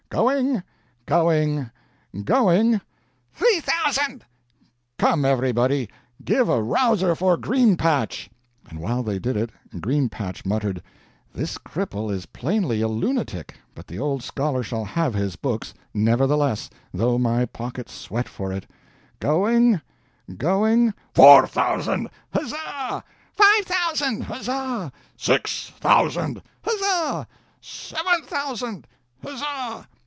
"Going, going, going " "Three thousand!" "Come, everybody give a rouser for Green patch!" And while they did it, "Green patch" muttered, "This cripple is plainly a lunatic; but the old scholar shall have his books, nevertheless, though my pocket sweat for it." "Going going " "Four thousand!" "Huzza!" "Five thousand!" "Huzza!" "Six thousand!" "Huzza!" "Seven thousand!" "Huzza!"